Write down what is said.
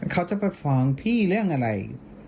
เขาจะไปฟ้องพี่เรื่องอะไร